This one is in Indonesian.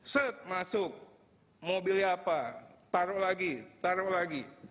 set masuk mobilnya apa taruh lagi taruh lagi